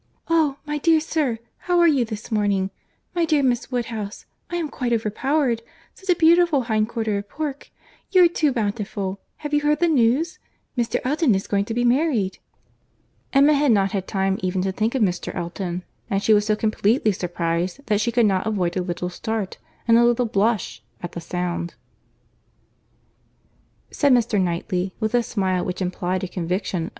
"Oh! my dear sir, how are you this morning? My dear Miss Woodhouse—I come quite over powered. Such a beautiful hind quarter of pork! You are too bountiful! Have you heard the news? Mr. Elton is going to be married." Emma had not had time even to think of Mr. Elton, and she was so completely surprized that she could not avoid a little start, and a little blush, at the sound.